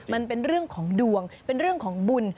มันเป็นเรื่องของดวงเป็นเรื่องของบุญ